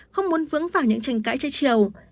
không muốn vướng vào những tranh cãi chơi chiều